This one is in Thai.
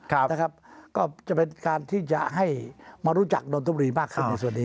ก็จะเป็นการที่จะให้มารู้จักนนทบุรีมากขึ้นในส่วนนี้